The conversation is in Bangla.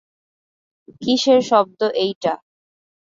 কীসের শব্দ এইটা?